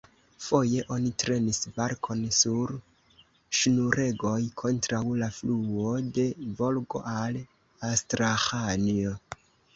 Foje oni trenis barkon sur ŝnuregoj kontraŭ la fluo de Volgo, el Astraĥanjo.